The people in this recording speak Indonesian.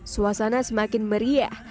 suasana semakin meriah